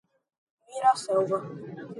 Miraselva